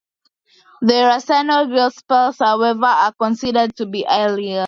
The Rossano Gospels, however are considered to be earlier.